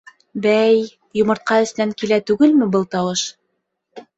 Бәй, йомортҡа эсенән килә түгелме был тауыш.